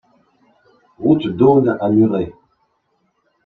Route d'Eaunes à Muret